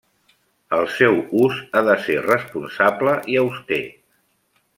El seu ús ha de ser responsable i auster.